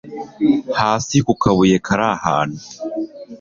hasi kukabuye kari ahantu